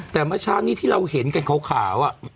แต่เมื่อเช้านี้ที่เราเห็นกันขาว